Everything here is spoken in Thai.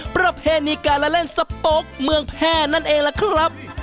ประเพณีการละเล่นสโป๊กเมืองแพร่นั่นเองล่ะครับ